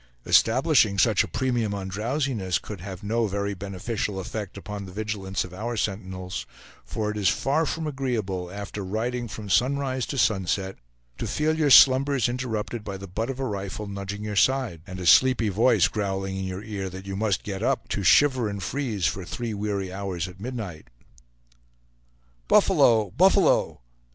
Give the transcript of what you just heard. Establishing such a premium on drowsiness could have no very beneficial effect upon the vigilance of our sentinels; for it is far from agreeable, after riding from sunrise to sunset, to feel your slumbers interrupted by the butt of a rifle nudging your side, and a sleepy voice growling in your ear that you must get up, to shiver and freeze for three weary hours at midnight. "Buffalo! buffalo!"